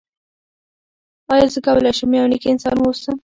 آیا زه کولی شم یو نېک انسان واوسم؟